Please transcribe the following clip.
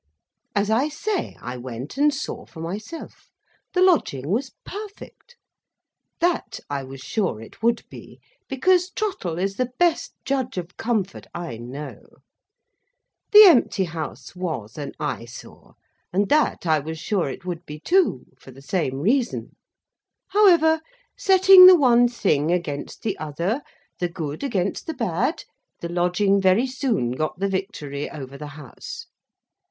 As I say, I went and saw for myself. The lodging was perfect. That, I was sure it would be; because Trottle is the best judge of comfort I know. The empty house was an eyesore; and that I was sure it would be too, for the same reason. However, setting the one thing against the other, the good against the bad, the lodging very soon got the victory over the House.